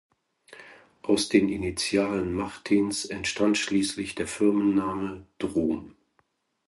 Aus den Initialen Martins entstand schließlich der Firmenname Drom.